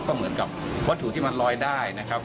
ก็เหมือนกับวัตถุที่มันลอยได้นะครับ